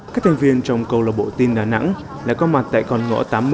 các thành viên trong câu lạc bộ tin đà nẵng đã có mặt tại con ngõ tám mươi